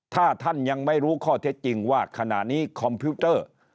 ถ้าท่านยังไม่รู้ข้อเท็จจริงว่าขณะนี้คอมพิวเตอร์